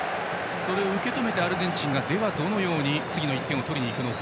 それを受け止めてアルゼンチンはでは、どのように次の１点を取りにいくのか。